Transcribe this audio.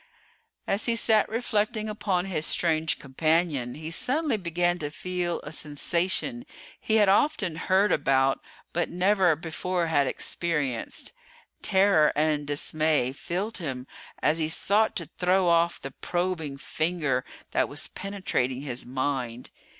As he sat reflecting upon his strange companion, he suddenly began to feel a sensation he had often heard about but never before had experienced. Terror and dismay filled him as he sought to throw off the probing finger that was penetrating his mind.